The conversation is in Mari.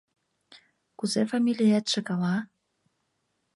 — Кузе фамилиетше гала?